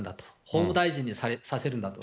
法務大臣にさせるんだと。